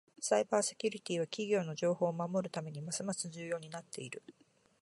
サイバーセキュリティは企業の情報を守るためにますます重要になっている。